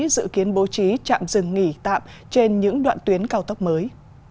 dự kiến bố trí chạm dừng nghỉ tạm trên những đoạn tuyến cao tốc mới